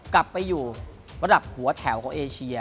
กลับไปอยู่ระดับหัวแถวของเอเชีย